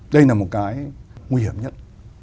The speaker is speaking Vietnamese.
đây là một cái nguy hiểm nhất